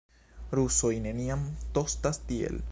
Rusoj neniam tostas tiel.